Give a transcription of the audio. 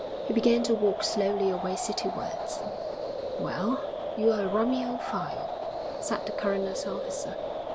He began to walk slowly away citywards. 'Well, you are a rummy old file!' said the coroner's officer.